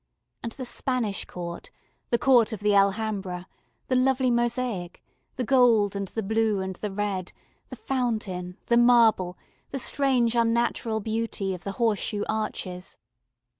And the Spanish Court, the court of the Alhambra, the lovely mosaic, the gold and the blue and the red, the fountain, the marble, the strange unnatural beauty of the horseshoe arches.